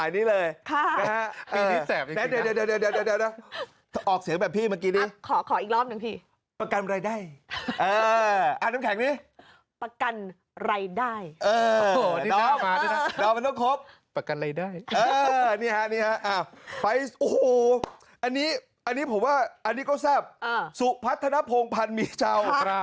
อันนี้ผมว่าอันนี้ก็แซ่บสุพัฒนภงพันธ์มีเจ้า